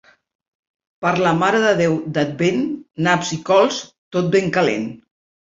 Per la Mare de Déu d'Advent, naps i cols, tot ben calent.